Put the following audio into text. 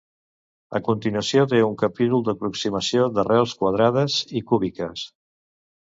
A continuació té un capítol d’aproximació d’arrels quadrades i cúbiques.